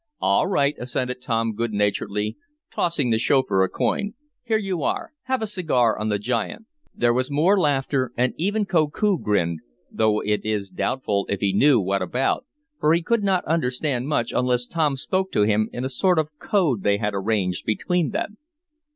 "All right," assented Tom, good naturedly, tossing the chauffeur a coin. "Here you are, have a cigar on the giant." There was more laughter, and even Koku grinned, though it is doubtful if he knew what about, for he could not understand much unless Tom spoke to him in a sort of code they had arranged between them.